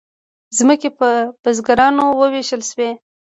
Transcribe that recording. ځمکې په بزګرانو وویشل شوې.